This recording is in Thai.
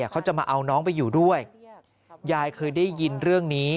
เขาจะมาเอาน้องไปอยู่ด้วยยายเคยได้ยินเรื่องนี้